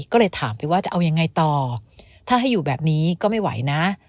ก็เลยถามไปว่าจะเอายังไงต่อถ้าให้อยู่แบบนี้ก็ไม่ไหวนะ